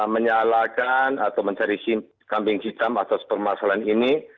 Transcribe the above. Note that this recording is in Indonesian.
menyalakan atau mencari kambing hitam atas permasalahan ini